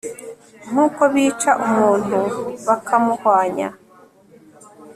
nk'uko bica umuntu bakamuhwanya